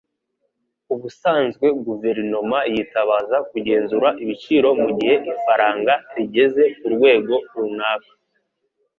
Ubusanzwe guverinoma yitabaza kugenzura ibiciro mugihe ifaranga rigeze kurwego runaka